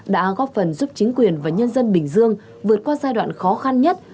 đã góp phần giúp chính quyền và nhân dân bình dương vượt qua giai đoạn khó khăn nhất